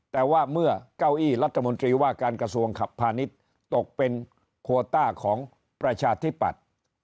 แต่ว่าเมื่อเก้าอี้รัฐมนตรีว่าการกระทรวงขับพาณิชย์ตกเป็นโควต้าของประชาธิปัตย์